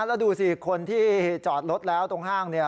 แล้วดูสิคนที่จอดรถแล้วตรงห้างเนี่ย